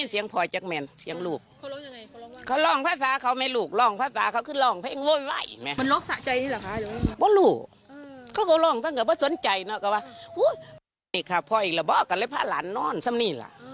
เขาก็ลองตั้งแต่ว่าสนใจเนอะก็ว่าอุ๊ยนี่ข้าพ่ออีกแล้วบอกกันเลยพ่อหลานนอนซ้ำนี่ล่ะ